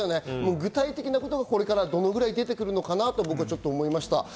具体的なことがこれからどれだけ出てくるかなと、僕は思いました。